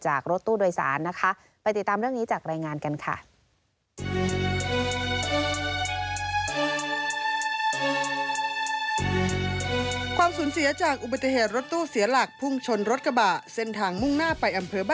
จากรถตู้โดยสารนะคะ